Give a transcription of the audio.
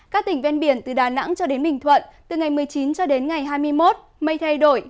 các tỉnh ven biển từ đà nẵng cho đến bình thuận từ ngày một mươi chín cho đến ngày hai mươi một mây thay đổi